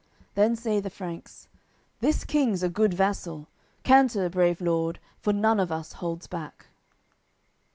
Then say the Franks: "This King's a good vassal. Canter, brave lord, for none of us holds back."